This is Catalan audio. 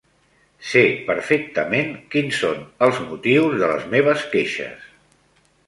Sé perfectament quins són els motius de les meves queixes.